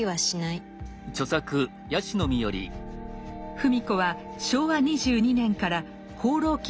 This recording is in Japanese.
芙美子は昭和２２年から「放浪記」